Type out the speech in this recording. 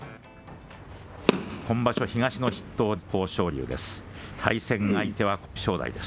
今場所、東の筆頭豊昇龍です。